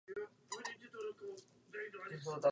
Byl univerzitním profesorem.